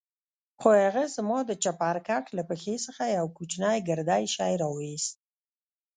خو هغه زما د چپرکټ له پښې څخه يو کوچنى ګردى شى راوايست.